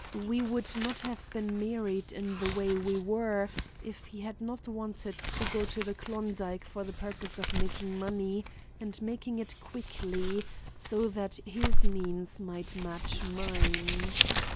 We would not have been married in the way we were if he had not wanted to go to the Klondike for the purpose of making money and making it quickly, so that his means might match mine.